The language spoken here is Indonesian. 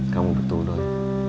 kamu betul doi